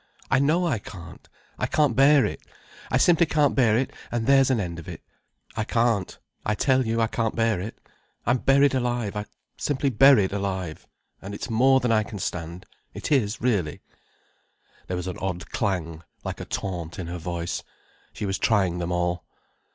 "I know I can't. I can't bear it. I simply can't bear it, and there's an end of it. I can't, I tell you. I can't bear it. I'm buried alive—simply buried alive. And it's more than I can stand. It is, really." There was an odd clang, like a taunt, in her voice. She was trying them all.